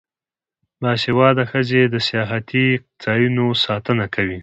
باسواده ښځې د سیاحتي ځایونو ساتنه کوي.